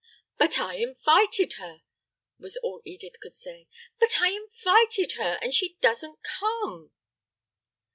"But I invited her," was all Edith could say; "but I invited her, and she doesn't come."